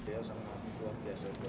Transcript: ya sangat luar biasa